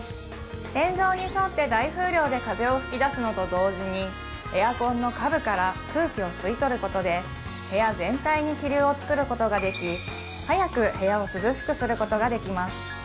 天井に沿って大風量で風を吹き出すのと同時にエアコンの家具から空気を吸い取ることで部屋全体に気流をつくることができ早く部屋を涼しくすることができます